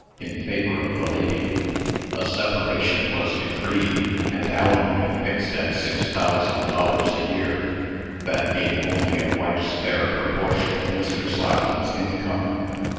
in favor of the lady, a separation was decreed, and alimony fixed at six thousand dollars a year, that being only a wife's fair proportion of Mr. Slapman's income.